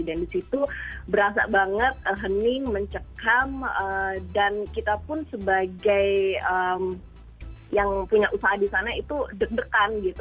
di situ berasa banget hening mencekam dan kita pun sebagai yang punya usaha di sana itu deg degan gitu